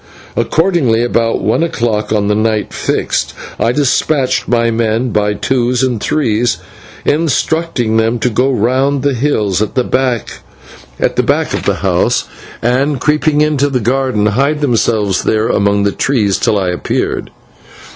Accordingly, about one o'clock on the night fixed, I despatched my men by twos and threes, instructing them to go round the hills at the back of the house, and, creeping into the garden, to hide themselves there among the trees till I appeared.